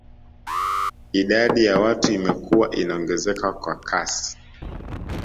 Idadi ya watu imekuwa inaongezeka kwa kasi